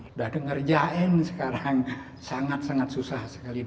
sudah ngerjain sekarang sangat sangat susah sekali